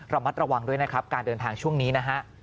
ระมัดระวังด้วยนะครับการเดินทางช่วงนี้นะฮะ